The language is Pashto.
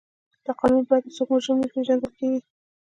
له قانون پرته څوک مجرم نه پیژندل کیږي.